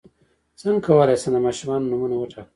څنګه کولی شم د ماشومانو نومونه وټاکم